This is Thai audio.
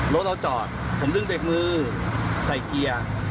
รถเราจอดผมดึงเบรกมือใส่เกียร์